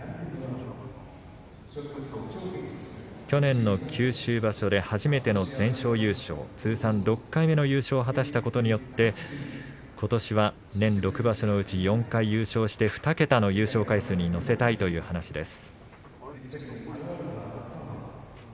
去年の九州場所で初めての全勝優勝通算６回目の優勝を果たしたことによってことしは年６場所のうち４回優勝して２桁の優勝に乗せたいという話です。